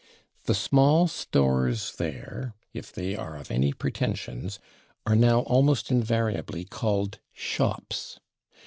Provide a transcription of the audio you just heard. The small stores there, if they are of any pretentions, are now almost invariably called /shops